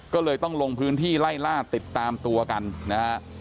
ก็เลยต้องลงพื้นที่ไล่ล่าติดตามตัวกันนะฮะ